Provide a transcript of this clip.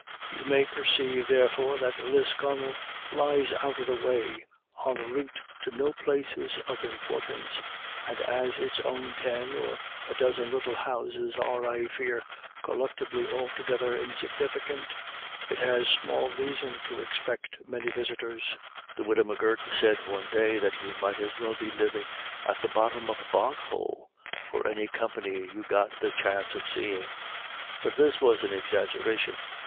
You may perceive, therefore, that Lisconnel lies out of the way, on the route to no places of importance, and as its own ten or a dozen little houses are, I fear, collectively altogether insignificant, it has small reason to expect many visitors. The Widow M'Gurk said one day that you might as well be living at the bottom of the boghole for any company you got the chance of seeing; but this was an exaggeration.